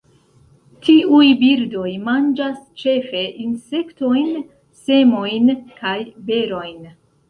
Tiuj birdoj manĝas ĉefe insektojn, semojn kaj berojn.